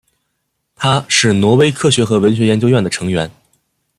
他是挪威科学和文学研究院的成员。